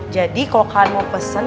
jadi kalo kalian mau pesen